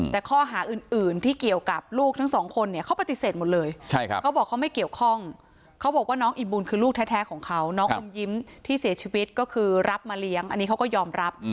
แต่ข้อหาอื่นที่เกี่ยวกับลูกทั้งสองคนเนี่ยเขาปฏิเสธหมดเลยเขาบอกเขาไม่เกี่ยวข้องเขาบอกว่าน้องอิ่มบุญคือลูกแท้ของเขาน้องอมยิ้มที่เสียชีวิตก็คือรับมาเลี้ยงอันนี้เขาก็ยอมรับ